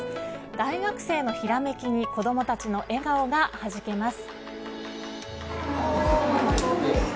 大学生のひらめきに子どもたちの笑顔がはじけます。